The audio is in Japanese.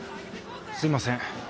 すいません。